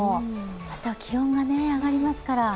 明日は気温が上がりますから。